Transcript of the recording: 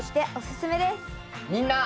みんな！